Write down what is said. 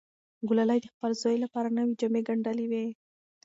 ګلالۍ د خپل زوی لپاره نوې جامې ګنډلې وې.